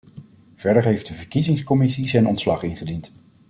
Verder heeft de verkiezingscommissie zijn ontslag ingediend.